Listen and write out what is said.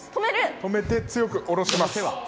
止めて強く下ろします。